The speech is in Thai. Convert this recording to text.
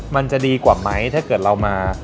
มันจะดีกว่าไหมถ้าเกิดเรามา